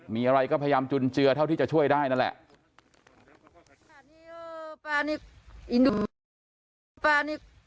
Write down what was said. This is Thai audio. มีอะไรก็พยายามจุนเจือเท่าที่จะช่วยได้นั่นแหละ